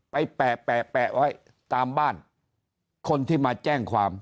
แปะแปะไว้ตามบ้านคนที่มาแจ้งความ